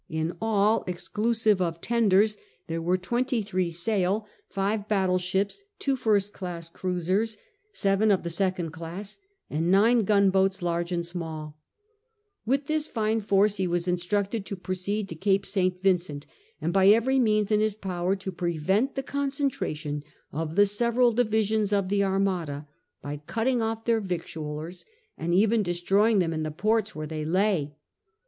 In all, exclusive of tenders, there were twenty three sail — five IX ADVANCE IN NA VAL STRATEGY 117 battle ships, two first class cruisers, seven of the second class, and nine gunboats large and small With this fine force he was instructed to proceed to Cape St. Vin cent, and by every means in his power to prevent the concentration of the several divisions of the Armada, by cutting off their victuallers and even destroying them in the ports where they lay.